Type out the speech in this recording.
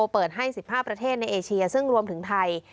เปิดให้๑๕ประเทศในเอเชียซึ่งรวมถึงไทย